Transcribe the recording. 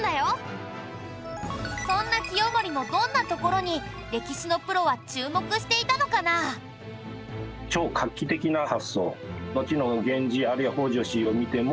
そんな清盛のどんなところに歴史のプロは注目していたのかな？といえると思うんですね。